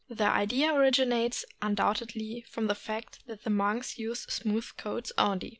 The idea originates, undoubtedly, from the fact that the monks use smooth coats only.